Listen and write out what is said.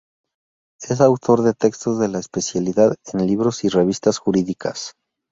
Es autor de textos de la especialidad en libros y revistas jurídicas.